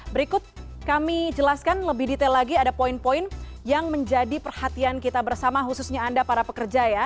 berikut kami jelaskan lebih detail lagi ada poin poin yang menjadi perhatian kita bersama khususnya anda para pekerja ya